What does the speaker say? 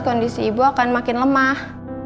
kondisi ibu akan makin lemah